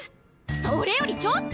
それよりちょっと！